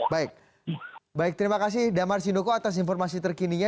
baik baik terima kasih damar sinuko atas informasi terkininya